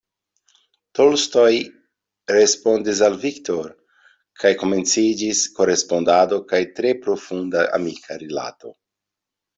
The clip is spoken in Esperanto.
Tolstoj respondis al Victor kaj komenciĝis korespondado kaj tre profunda amika rilato.